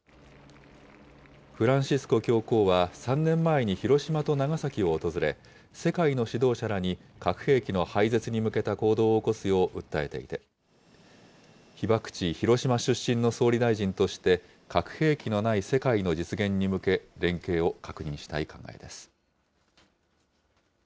フランシスコ教皇は、３年前に広島と長崎を訪れ、世界の指導者らに核兵器の廃絶に向けた行動を起こすよう訴えていて、被爆地、広島出身の総理大臣として、核兵器のない世界の実現に向け、連携を確認したい考えです。